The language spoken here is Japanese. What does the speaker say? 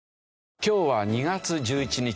今日は２月１１日。